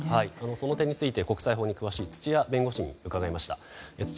その点について国際法に詳しい土屋弁護士に伺いました。